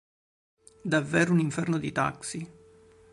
Davvero un inferno di taxi.